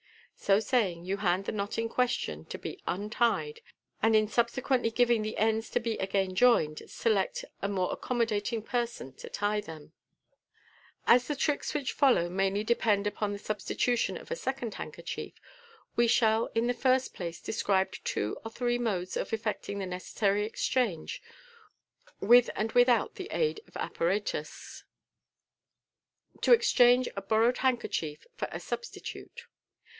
So saying, you hand the knot in question to be untied, and in subsequently giving the ends to be again joined, select a mors accommodating person to tie them. Mo MODERN MAGIC, As the tricks which follow mainly depend upon the substitution of a second handkerchief, we shall in the first place describe two of three modes of effecting the necessary exchange, with and without the aid of apparatus. To EXCHANOB A BORROWBD HANDKERCHIEF FOR A SUBSTI TUTE.